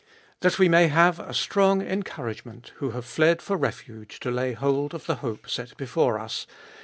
That we may have a strong encouragement, who have fled for refuge to lay hold of the hope set before us ; 19.